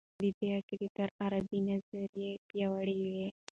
د دې عقیده تر غربي نظریې پیاوړې وه.